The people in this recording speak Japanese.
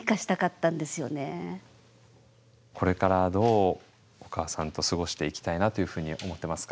これからどうお母さんと過ごしていきたいなというふうに思ってますか？